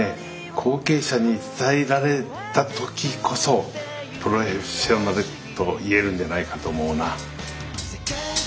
後継者に伝えられた時こそプロフェッショナルと言えるんじゃないかと思うな。